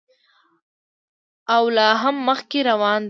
او لا هم مخکې روان دی.